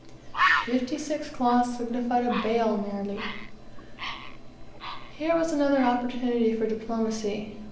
Fifty six cloths signified a bale nearly! Here was another opportunity for diplomacy.